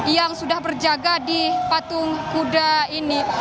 yang sudah berjaga di patung kuda ini